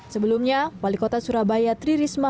sebelumnya wali kota surabaya tri risma